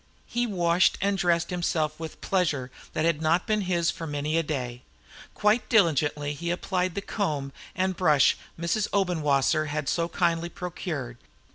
He washed and dressed himself with pleasure that had not been his for many a day. Quite diligently did he apply the comb and brush Mrs. Obenwasser had so kindly procured.